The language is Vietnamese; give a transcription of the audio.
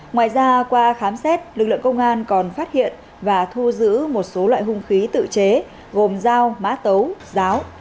ngoài ra qua khám xét lực lượng công an còn phát hiện và thu giữ một số loại hung khí tự chế gồm dao mã tấu ráo